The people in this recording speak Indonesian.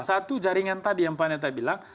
satu jaringan tadi yang pak neta bilang